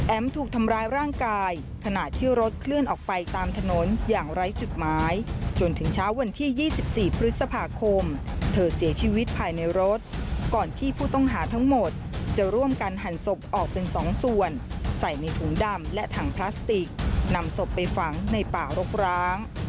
ถูกทำร้ายร่างกายขณะที่รถเคลื่อนออกไปตามถนนอย่างไร้จุดหมายจนถึงเช้าวันที่๒๔พฤษภาคมเธอเสียชีวิตภายในรถก่อนที่ผู้ต้องหาทั้งหมดจะร่วมกันหั่นศพออกเป็น๒ส่วนใส่ในถุงดำและถังพลาสติกนำศพไปฝังในป่ารกร้าง